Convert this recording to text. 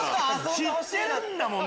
知ってるんだもん！